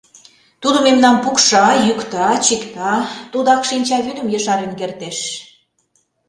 Тудо мемнам пукша, йӱкта, чикта, тудак шийвундым ешарен кертеш.